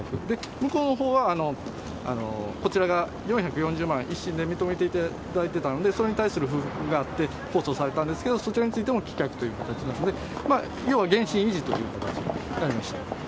向こうのほうは、こちらが４４０万、１審で認めていただいてたので、それに対する不服があって控訴されたんですけれども、そちらについても棄却という形ですので、要は原審維持という形になりました。